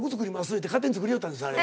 言うて勝手に作りよったんですよあれ。